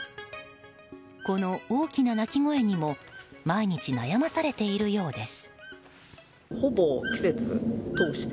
この大きな鳴き声にも毎日悩まされているようです。